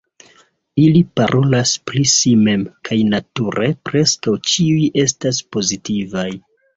Ili parolas pri si mem, kaj nature preskaŭ ĉiuj estas pozitivaj.